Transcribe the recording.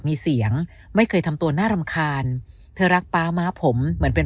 มีเสียงไม่เคยทำตัวน่ารำคาญเธอรักป๊าม้าผมเหมือนเป็น